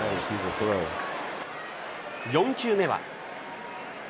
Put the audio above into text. ４球目は。